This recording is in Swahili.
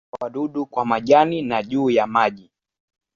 Sile-maua hula wadudu kwa majani na juu ya maji.